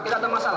tidak ada masalah